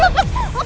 lo pengen ikut